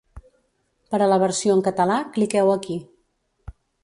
Per a la versió en català cliqueu aquí.